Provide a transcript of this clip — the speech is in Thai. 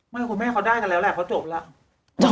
คุณแม่เขาได้กันแล้วแหละเขาจบแล้ว